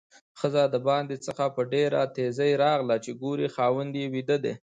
ښځه د باندې څخه په ډېره تیزۍ راغله چې ګوري خاوند یې ويده ده؛